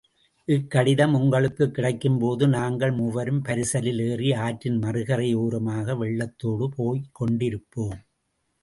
இக்கடிதம் உங்களுக்குக் கிடைக்கும்போது நாங்கள் மூவரும் பரிசலில் ஏறி ஆற்றின் மறுகரை ஓரமாக வெள்ளத்தோடு போய்க் கொண்டிருப்போம்.